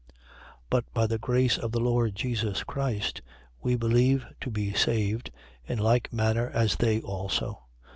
15:11. But by the grace of the Lord Jesus Christ, we believe to be saved, in like manner as they also.